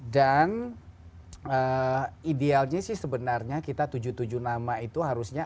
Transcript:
dan idealnya sih sebenarnya kita tujuh tujuh nama itu harusnya